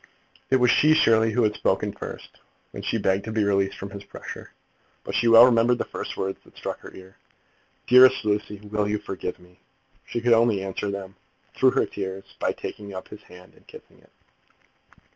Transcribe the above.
It was she, surely, who had spoken first, when she begged to be released from his pressure. But she well remembered the first words that struck her ear. "Dearest Lucy, will you forgive me?" She could only answer them through her tears by taking up his hand and kissing it.